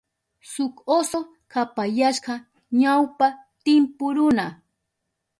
Shuk oso kapayashka ñawpa timpu runa.